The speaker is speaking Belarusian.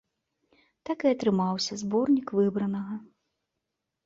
Так і атрымаўся зборнік выбранага.